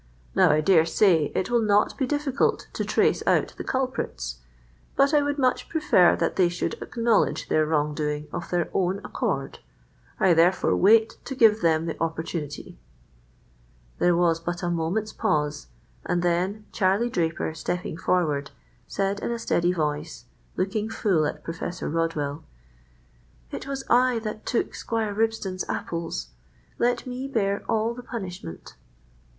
Now, I dare say, it will not be difficult to trace out the culprits, but I would much prefer that they should acknowledge their wrong doing of their own accord. I therefore wait to give them the opportunity." There was but a moment's pause, and then Charlie Draper, stepping forward, said in a steady voice, looking full at Professor Rodwell,— "It was I that took Squire Ribston's apples. Let me bear all the punishment."